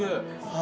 あ。